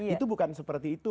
itu bukan seperti itu